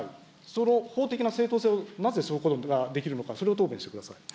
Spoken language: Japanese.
その法的な正当性を、なぜそういうことができるのか、それを答弁してください。